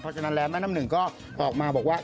เพราะฉะนั้นแล้วแม่น้ำหนึ่งก็ออกมาบอกว่า